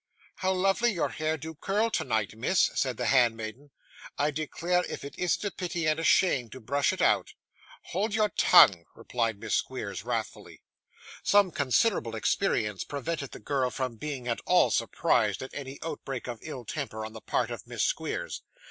'How lovely your hair do curl tonight, miss!' said the handmaiden. 'I declare if it isn't a pity and a shame to brush it out!' 'Hold your tongue!' replied Miss Squeers wrathfully. Some considerable experience prevented the girl from being at all surprised at any outbreak of ill temper on the part of Miss Squeers.